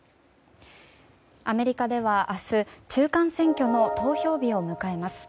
アメリカでは明日中間選挙の投票日を迎えます。